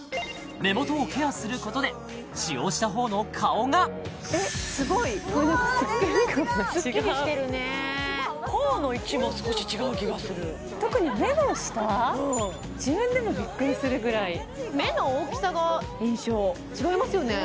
目元をケアすることで使用したほうの顔がえっすごいこれ何かスッキリ感が違うスッキリしてるね頬の位置も少し違う気がする特に目の下自分でもびっくりするぐらい目の大きさが印象違いますよね